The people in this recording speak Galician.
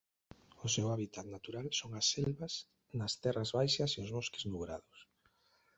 O seu hábitat natural son as selvas das terras baixas e os bosques nubrados.